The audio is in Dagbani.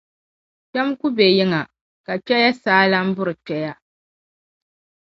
Kpɛm’ ku be yiŋa ka kpɛya saa lan buri kpɛya.